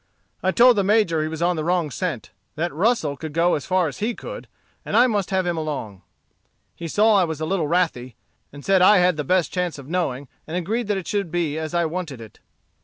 I told the Major he was on the wrong scent; that Russel could go as far as he could, and I must have him along. He saw I was a little wrathy, and said I had the best chance of knowing, and agreed that it should be as I wanted it."